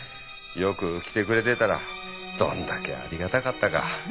よく来てくれてたらどんだけありがたかったか。